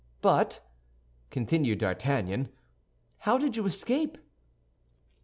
"But," continued D'Artagnan, "how did you escape?"